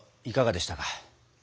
いかがでしたか？